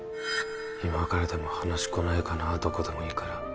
今からでも話来ないかなどこでもいいから